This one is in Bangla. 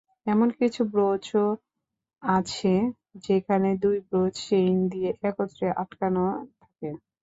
এমন কিছু ব্রোচও আছে, যেখানে দুটি ব্রোচ চেইন দিয়ে একত্রে আটকানো থাকে।